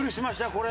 これ。